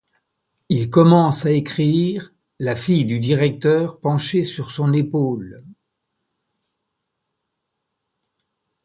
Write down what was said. Il commence à écrire, la fille du directeur penchée sur son épaule.